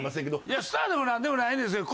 いやスターでも何でもないですよ。